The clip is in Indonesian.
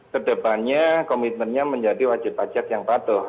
kedepannya komitmennya menjadi wajib pajak yang patuh